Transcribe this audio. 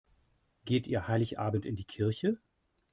Geht ihr Heiligabend in die Kirche?